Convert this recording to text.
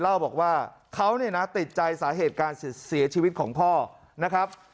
เล่าบอกว่าเขาเนี่ยนะติดใจสาเหตุการเสียชีวิตของพ่อนะครับ